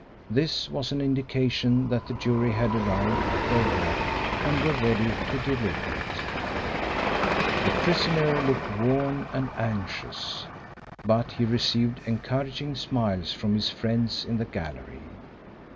This was an indication that the jury had arrived at their verdict and were ready to deliver it. The prisoner looked worn and anxious, but he received encouraging smiles from his friends in the gallery.